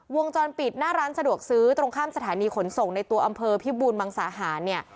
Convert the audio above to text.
วงจรปิดหน้าร้านสะดวกซื้อตรงข้ามสถานีขนส่งในตัวอำเภอพิบูรมังสาหารเนี่ย